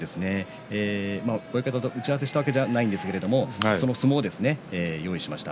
親方と打ち合わせをしたわけではないんですがその相撲を用意しました。